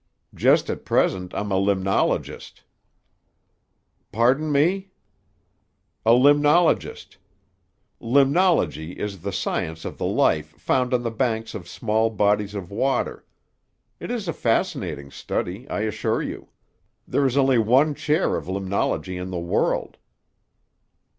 "Just at present I'm a limnologist." "Pardon me?" "A limnologist. Limnology is the science of the life found on the banks of small bodies of water. It is a fascinating study, I assure you. There is only one chair of limnology in the world."